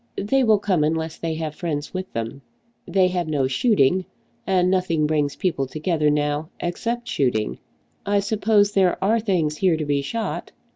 They will come unless they have friends with them. They have no shooting, and nothing brings people together now except shooting. I suppose there are things here to be shot.